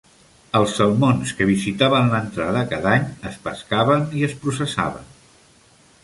Els salmons que visitaven l'entrada cada any es pescaven i es processaven.